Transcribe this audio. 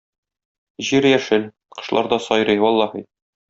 Җир яшел; кошлар да сайрый, валлаһи!